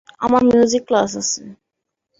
আমার music class আছে।